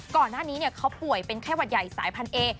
ก่อนหน้านี้เขาป่วยเป็นไข้หวัดใหญ่สายพันเอ